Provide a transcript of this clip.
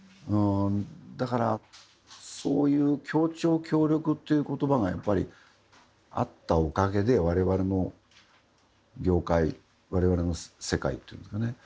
だからそういう協調、協力っていうことばがあったおかげでわれわれの業界われわれの世界っていうんですかね